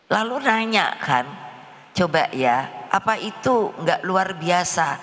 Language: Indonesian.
lalu nanyakan coba ya apa itu enggak luar biasa